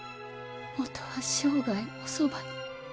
もとは生涯おそばに。